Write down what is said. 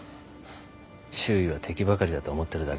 周囲は敵ばかりだと思ってるだけですよ。